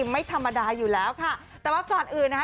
ไม่ธรรมดาอยู่แล้วค่ะแต่ว่าก่อนอื่นนะคะ